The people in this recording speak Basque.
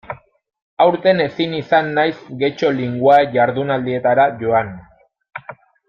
Aurten ezin izan naiz Getxo Linguae jardunaldietara joan.